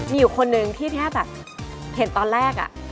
มีอยู่คนนึงที่แค่แบบเห็นตอนแรกอะ